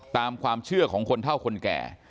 ตามความเชื่อของคนเท่าคนแก่